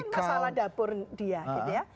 ini masalah dapur dia gitu ya